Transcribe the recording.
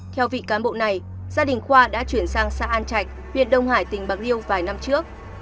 theo vị cán bộ này gia đình khoa đã chuyển sang xã an trạch huyện đông hải tỉnh bạc liêu vài năm trước